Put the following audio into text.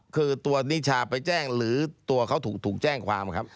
คือตัวนิชาไปแจ้งหรือตัวเขาถูกแจ้งความครับ